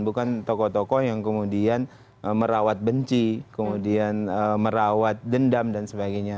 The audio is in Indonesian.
bukan tokoh tokoh yang kemudian merawat benci kemudian merawat dendam dan sebagainya